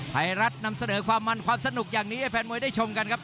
ไทยรัฐนำเสนอความมันความสนุกอย่างนี้ให้แฟนมวยได้ชมกันครับ